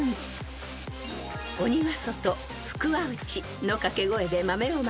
［「鬼は外福は内」の掛け声で］